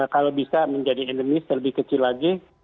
kalau bisa menjadi endemis lebih kecil lagi